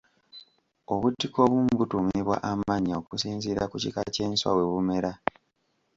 Obutiko obumu butuumibwa amannya okusinziira ku kika ky’enswa we bumera.